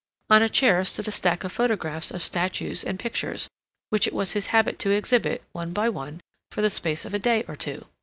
On a chair stood a stack of photographs of statues and pictures, which it was his habit to exhibit, one by one, for the space of a day or two.